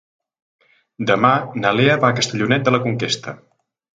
Demà na Lea va a Castellonet de la Conquesta.